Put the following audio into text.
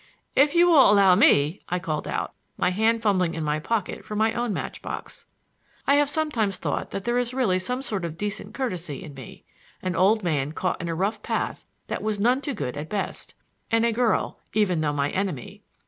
"If you will allow me!" I called out, my hand fumbling in my pocket for my own match box. I have sometimes thought that there is really some sort of decent courtesy in me. An old man caught in a rough path that was none too good at best! And a girl, even though my enemy!